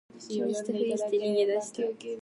気にしたふりして逃げ出した